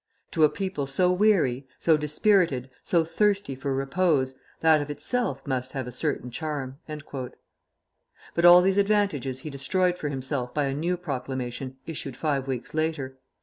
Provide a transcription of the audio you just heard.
And to a people so weary, so dispirited, so thirsty for repose, that of itself must have a certain charm." But all these advantages he destroyed for himself by a new proclamation issued five weeks later.